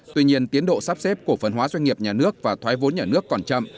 tuy nhiên tiến độ sắp xếp cổ phần hóa doanh nghiệp nhà nước và thoái vốn nhà nước còn chậm